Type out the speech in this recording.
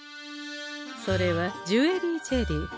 それはジュエリージェリー。